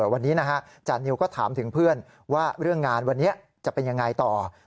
วันนี้จานิวก็ถามถึงเพื่อนว่าเรื่องงานวันนี้จะเป็นยังไงต่อ